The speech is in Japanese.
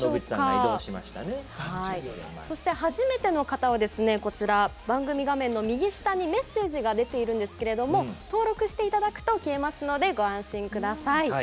そして、初めての方は番組画面の右下にメッセージが出ていますが登録後には消えますのでご安心ください。